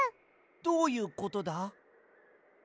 どういうことだ？